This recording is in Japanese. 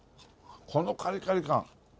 このカリカリ感。